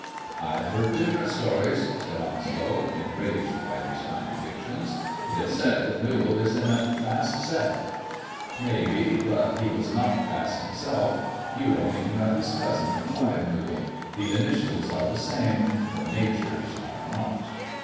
" IVe heard different stories," said Onslow, enraged hy these contradictions; it is said that Newall was in a fast set." " Maybe ; but he was not fast himself. You are thinking of his cousin, Clive Newall — the initials are the same, the natures are not."